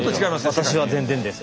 私は全然ですよ。